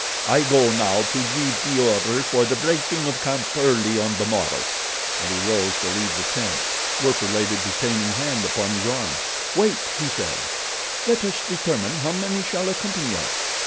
"I go now to give the order for the breaking of camp early on the morrow," and he rose to leave the tent. Werper laid a detaining hand upon his arm. "Wait," he said, "let us determine how many shall accompany us.